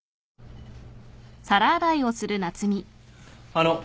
・あの。